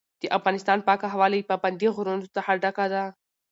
د افغانستان پاکه هوا له پابندي غرونو څخه ډکه ده.